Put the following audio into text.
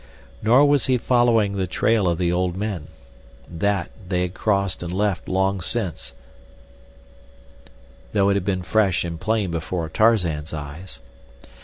Nor was he following the trail of the old men. That, they had crossed and left long since, though it had been fresh and plain before Tarzan's eyes.